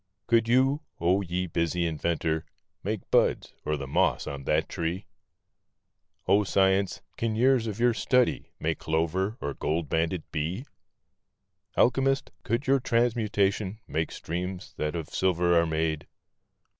Could you, oh, ye busy inventor, make buds, or the moss on that tree? Oh, Science, can years of your study make clover or gold banded bee? Alchemist, could your transmutation make streams that of silver are made?